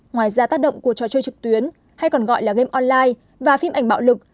ngoài ra tác động của trò chơi trực tuyến hay còn gọi là game online và phim ảnh bạo lực